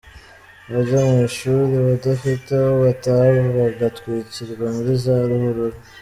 bajya mw’ishuri, abadafite aho bataha bagatwikirwa muri za ruhurura;